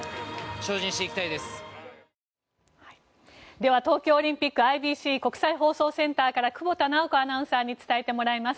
では、東京オリンピックＩＢＣ・国際放送センターから久保田直子アナウンサーに伝えてもらいます。